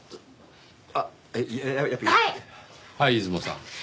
はい出雲さん。